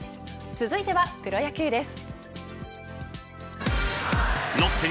続いてはプロ野球です。